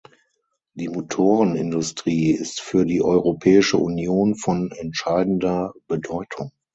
Die Motorenindustrie ist für die Europäische Union von entscheidender Bedeutung.